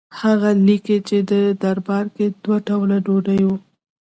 هغه لیکي چې په دربار کې دوه ډوله ډوډۍ وه.